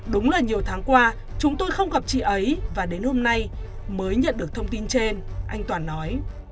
đúng là nhiều tháng qua chúng tôi không gặp chị ấy và đến hôm nay mới nhận được thông tin trên anh toàn nói